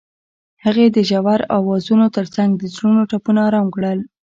هغې د ژور اوازونو ترڅنګ د زړونو ټپونه آرام کړل.